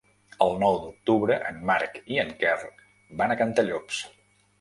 El nou d'octubre en Marc i en Quer van a Cantallops.